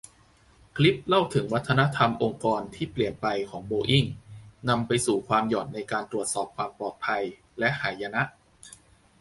คลิปเล่าถึงวัฒนธรรมองค์กรที่เปลี่ยนไปของโบอิ้ง นำไปสู่ความหย่อนในการตรวจสอบความปลอดภัย และหายนะ